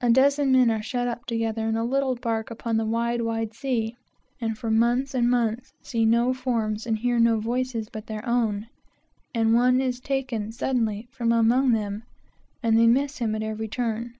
A dozen men are shut up together in a little bark, upon the wide, wide sea, and for months and months see no forms and hear no voices but their own, and one is taken suddenly from among them, and they miss him at every turn.